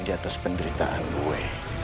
di atas penderitaan gue